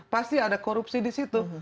pasti ada korupsi di situ